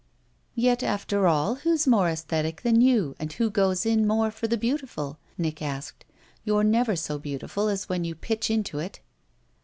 "Yet after all who's more esthetic than you and who goes in more for the beautiful?" Nick asked. "You're never so beautiful as when you pitch into it."